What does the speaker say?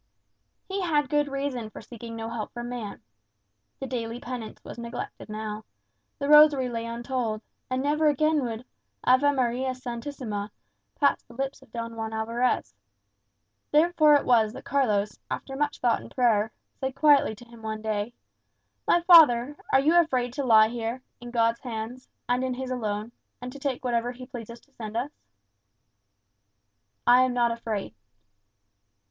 He had good reason for seeking no help from man. The daily penance was neglected now; the rosary lay untold; and never again would "Ave Maria Sanctissima" pass the lips of Don Juan Alvarez. Therefore it was that Carlos, after much thought and prayer, said quietly to him one day, "My father, are you afraid to lie here, in God's hands, and in his alone, and to take whatever he pleases to send us?" "I am not afraid."